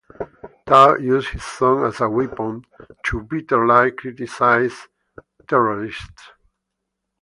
Tao uses his song as weapon to bitterly criticize terrorists.